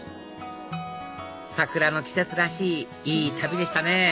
桜の季節らしいいい旅でしたね！